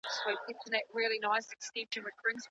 هوښياران د جبري نکاح ملاتړ نه کوي.